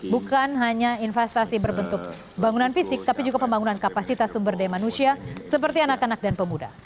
bukan hanya investasi berbentuk bangunan fisik tapi juga pembangunan kapasitas sumber daya manusia seperti anak anak dan pemuda